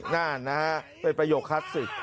นั่นนะฮะเป็นประโยคคลาสสิก